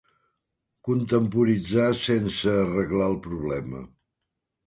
Contemporitzà sense arreglar el problema.